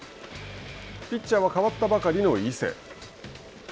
ピッチャーは代わったばかりの伊勢。